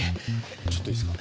ちょっといいですか？